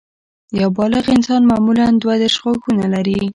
یو بالغ انسان معمولاً دوه دیرش غاښونه لري